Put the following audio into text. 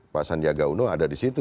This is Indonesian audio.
pak sandiaga uno ada disitu